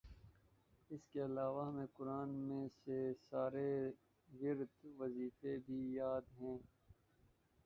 اسکے علاوہ ہمیں قرآن میں سے سارے ورد وظیفے بھی یاد ہیں